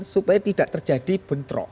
supaya tidak terjadi bentrok